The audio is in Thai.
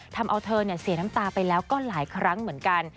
ทำเอาเธอเสียน้ำตาไปแล้วก็หลายครั้งเหมือนกัน